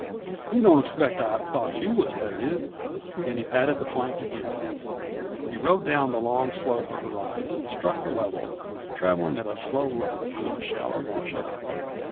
You don't expect I thought you was Leviatt." And he patted the flank again. He rode down the long slope of the rise and struck the level, traveling at a slow lope through a shallow washout.